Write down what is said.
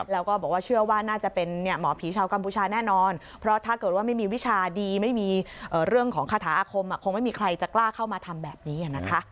แล้วก็บอกว่าเชื่อว่าน่าจะเป็นหมอผีชาวกัมพูชาแน่นอนเพราะถ้าเกิดว่าไม่มีวิชาดีไม่มีเรื่องของคาถาอาคมคงไม่มีใครจะกล้าเข้ามาทำแบบนี้นะคะ